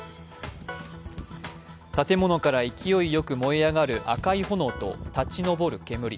建物から勢いよく燃え上がる赤い炎と立ち上る煙。